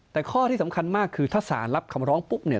แต่ข้อที่สำคัญมากคือถ้าสารรับคำร้องปุ๊บเนี่ย